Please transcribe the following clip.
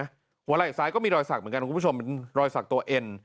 หัวไหล่ซ้ายก็มีรอยสักเหมือนกันคุณผู้ชมเป็นรอยสักตัวเอ็น